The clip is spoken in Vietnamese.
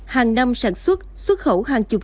hàng năm sản xuất xuất khẩu hàng tuần